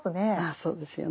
そうですよね。